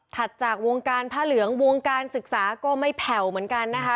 จากวงการผ้าเหลืองวงการศึกษาก็ไม่แผ่วเหมือนกันนะคะ